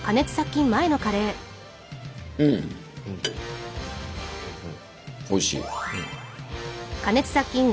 うんおいしい。